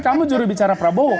kamu juru bicara prabowo